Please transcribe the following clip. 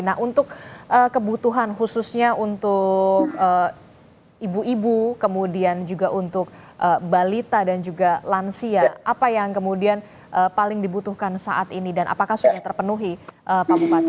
nah untuk kebutuhan khususnya untuk ibu ibu kemudian juga untuk balita dan juga lansia apa yang kemudian paling dibutuhkan saat ini dan apakah sudah terpenuhi pak bupati